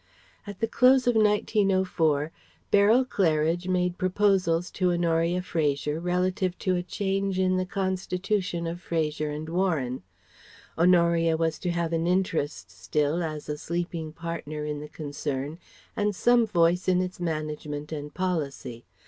At the close of 1904 Beryl Claridge made proposals to Honoria Fraser relative to a change in the constitution of Fraser and Warren. Honoria was to have an interest still as a sleeping partner in the concern and some voice in its management and policy.